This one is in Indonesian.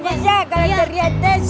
bagus ya kalau dari atas